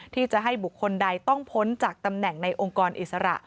ที่จะให้บุคคลใดต้องพ้นจากตำแหน่งในองค์กรอิสระ